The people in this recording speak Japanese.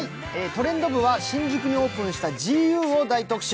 「トレンド部」は新宿にオープンしたＧＵを特集。